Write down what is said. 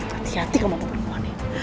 hati hati kamu sama perempuan ya